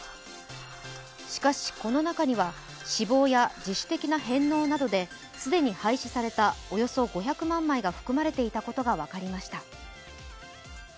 しかし、この中には死亡や自主的な返納などで既に廃止されたおよそ５００万枚が含まれていたことが分かりました。